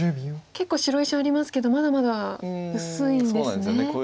結構白石ありますけどまだまだ薄いんですね。